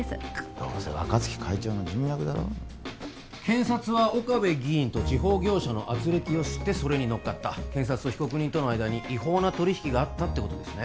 どうせ若月会長の人脈だろ検察は岡部議員と地方業者のあつれきを知ってそれに乗っかった検察と被告人との間に違法な取り引きがあったってことですね